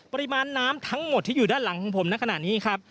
ปริมาณน้ำทั้งหมดที่อยู่ด้านหลังของผมในขณะนี้ครับ